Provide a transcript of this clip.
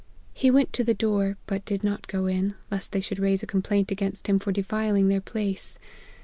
He went to the door, but did not go in, lest they should raise a complaint against him for defiling their place.